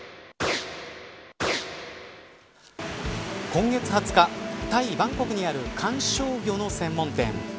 今月２０日タイ、バンコクにある観賞魚の専門店。